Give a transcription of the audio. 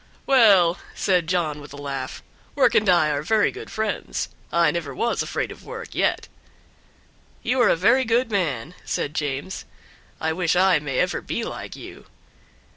"Well," said John with a laugh, "work and I are very good friends; I never was afraid of work yet." "You are a very good man," said James. "I wish I may ever be like you."